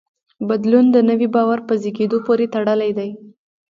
بدلون د نوي باور په زېږېدو پورې تړلی دی.